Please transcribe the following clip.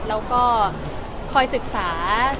แล้วก็คอยศึกษา